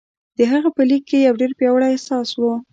د هغه په ليک کې يو ډېر پياوړی احساس و.